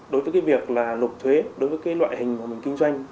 đối với việc nộp thuế đối với loại hình mà mình kinh doanh